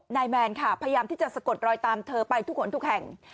แมนค่ะพยายามที่จะสะกดรอยตามเธอไปทุกคนทุกแห่ง